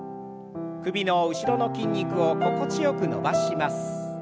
首の後ろの筋肉を心地よく伸ばします。